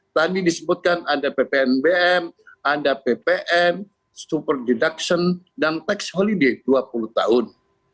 tadi disebutkan ada ppnbm ada ppn super deduction dan tax holiday dua puluh tahun